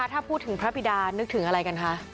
ถ้าพูดถึงพระบิดานึกถึงอะไรกันคะ